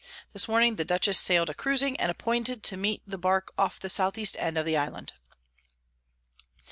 This Morning the Dutchess sail'd a cruising, and appointed to meet the Bark off the South East End of the Island.